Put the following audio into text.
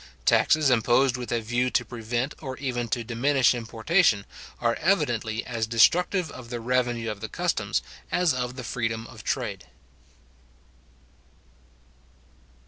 Taxes imposed with a view to prevent, or even to diminish importation, are evidently as destructive of the revenue of the customs as of the freedom of trade.